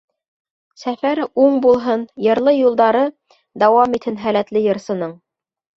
Сәфәре уң булһын, йырлы юлдары дауам итһен һәләтле йырсының.